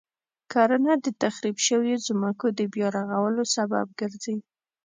کرنه د تخریب شويو ځمکو د بیا رغولو سبب ګرځي.